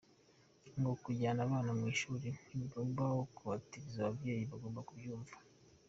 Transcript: Ngo kujyana abana mu ishuri ntibigomba guhatiriza, ababyeyi bagomba kubyumva.